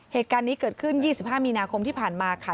เหตุการณ์นี้เกิดขึ้น๒๕มีนาคมที่ผ่านมาค่ะ